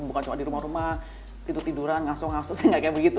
bukan cuma di rumah rumah tidur tiduran ngasut ngasut saya nggak kayak begitu